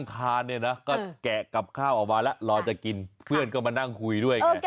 ป้ายเอาไว้เลย